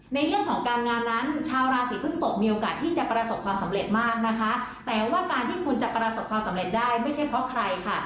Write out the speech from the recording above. ในเรื่องของการงานนั้นชาวราศีพฤกษกมีโอกาสที่จะประสบความสำเร็จมากนะคะแต่ว่าการที่คุณจะประสบความสำเร็จได้ไม่ใช่เพราะใครค่ะ